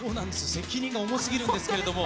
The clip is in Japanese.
責任が重すぎるんですけれども。